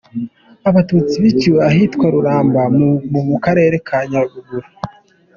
Abatutsi biciwe ahitwa Ruramba, ubu ni mu Karere ka Nyaruguru.